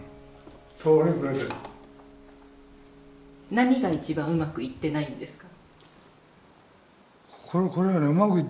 何が一番うまくいってないんですか？